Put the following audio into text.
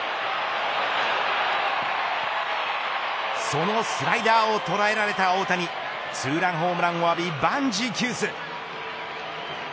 そのスライダーを捉えられた大谷ツーランホームランを浴び万事休す。